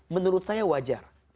menurut saya wajar